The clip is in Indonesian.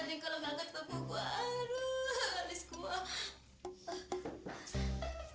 ini gara gara si elah nih gua pake rambuan penyumburnya begitu gua pake